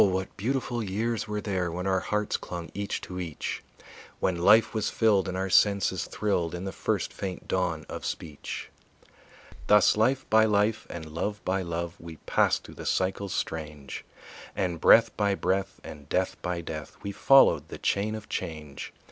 what beautiful years were there When our hearts clung each to each; When life was filled and our senses thrilled In the first faint dawn of speech. Thus life by life and love by love We passed through the cycles strange, And breath by breath and death by death We followed the chain of change.